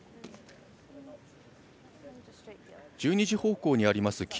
１２時方向にあります